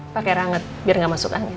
pakai rangat biar gak masuk angin